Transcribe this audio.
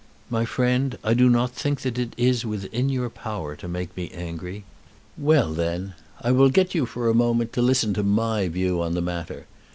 "My friend, I do not think that it is within your power to make me angry." "Well then, I will get you for a moment to listen to my view on the matter.